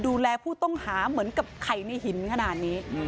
ดูแลผู้ต้องหาเหมือนกับไข่ในหินขนาดนี้